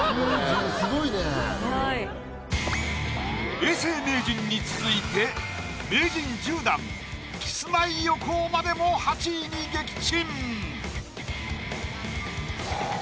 永世名人に続いて名人１０段キスマイ・横尾までも８位に撃沈。